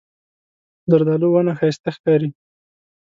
زردالو ونه ښایسته ښکاري.